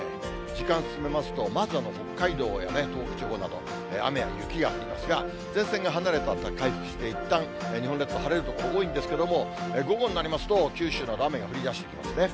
時間進めますと、まず北海道や東北地方など、雨や雪が降りますが、前線が離れたあとは回復していったん、日本列島、晴れる所多いんですけれども、午後になりますと、九州など雨が降りだしてきますね。